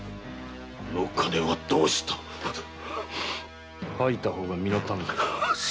あの金はどうした⁉吐いた方が身のためだぞ。